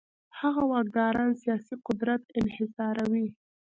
هغه واکداران سیاسي قدرت انحصاروي.